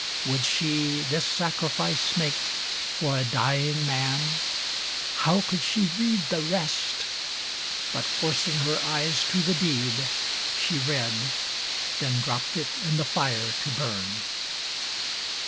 Would she this sacrifice Make for a dying man? How could she read The rest! But forcing her eyes to the deed, She read. Then dropped it in the fire to burn.